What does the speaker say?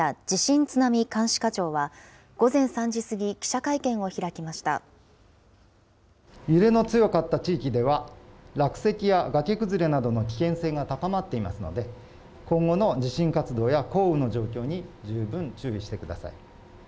地震津波監視課長は、午前３時過ぎ、記者会見を揺れの強かった地域では、落石や崖崩れなどの危険性が高まっていますので、今後の地震活動や降雨の状況に十分注意してください。